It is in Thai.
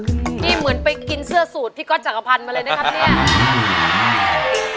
นี่เหมือนไปกินเสื้อสูตรพี่ก๊อตจักรพันธ์มาเลยนะครับเนี่ย